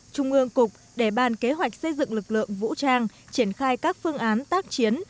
trung ương cục để bàn kế hoạch xây dựng lực lượng vũ trang triển khai các phương án tác chiến